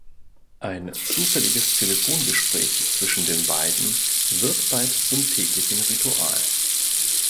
Ein zufälliges Telefongespräch zwischen den beiden wird bald zum täglichen Ritual.